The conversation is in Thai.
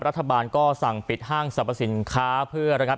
รัฐบาลก็สั่งปิดห้างสรรพสินค้าเพื่อระงับ